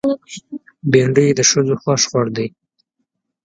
بېنډۍ د ښځو خوښ خوړ دی